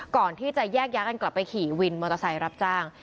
ก่อนที่จะแยกย้ายกันกลับไปขี่วินมอเตอร์ไซค์รับจ้าง